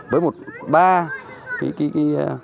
với một ba phòng học